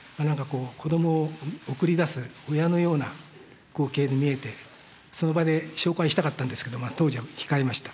子どもを送り出す親のような光景に見えて、その場で紹介したかったんですけど、当時は控えました。